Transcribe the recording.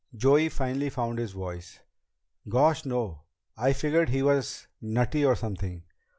Joey finally found his voice. "Gosh, no! I figured he was nutty or something.